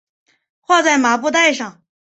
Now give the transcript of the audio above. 画在麻布袋上